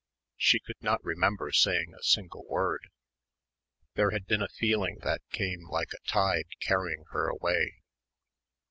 She could not remember saying a single word. There had been a feeling that came like a tide carrying her away.